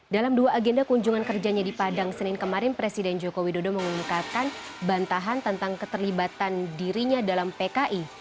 dalam dua agenda kunjungan kerjanya di padang senin kemarin presiden joko widodo mengumumkan bantahan tentang keterlibatan dirinya dalam pki